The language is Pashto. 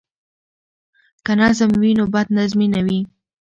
که نظم وي نو بد نظمي نه وي.